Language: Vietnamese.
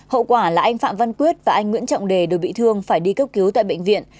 hậu quả là anh phạm văn quyết và anh nguyễn trọng đề đều bị thương phải đi cấp cứu tại bệnh viện